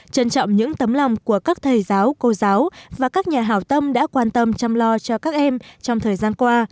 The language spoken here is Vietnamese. trân trọng những tấm lòng của các thầy giáo cô giáo và các nhà hào tâm đã quan tâm chăm lo cho các em trong thời gian qua